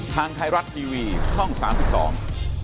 ทางไทยรัฐทีวีช่องสามสิบสอง